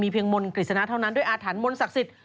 เพียงมนต์กฤษณะเท่านั้นด้วยอาถรรพมนต์ศักดิ์สิทธิ